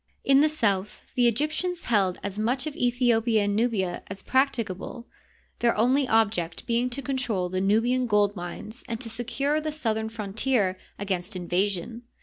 In the south the Egyptians held as much of Aethiopia and Nubia as prac ticable, their only object being to control the Nubian gold mines and to secure the southern frontier against in vasion.